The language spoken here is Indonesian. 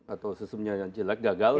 atau sesungguhnya yang jelek gagal